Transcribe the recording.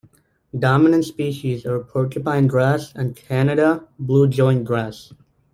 Dominant species are porcupine grass and Canada blue-joint grass.